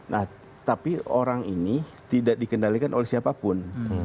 nah tapi orang ini tidak dikendalikan oleh siapapun